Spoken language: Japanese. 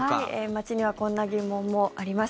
街にはこんな疑問もあります。